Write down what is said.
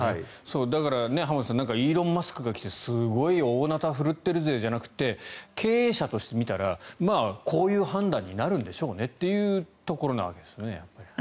浜田さんイーロン・マスクが来て大ナタ振るってるぜじゃなくて経営者としてみたらこういう判断になるんでしょうねというところなわけですね。